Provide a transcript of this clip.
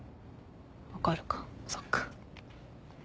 分かるかそっか。